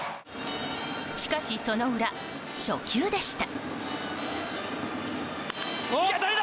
しかし、その裏初球でした。